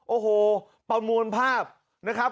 โอ้โหประมวลภาพนะครับ